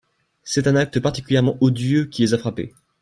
C’est un acte particulièrement odieux qui les a frappés.